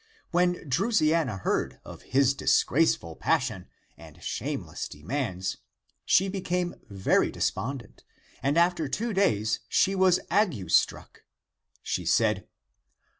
When Drusiana heard of his disgraceful passion and shameless demands, she became very despondent, and after two days she was ague struck. She said.